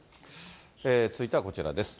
続いてはこちらです。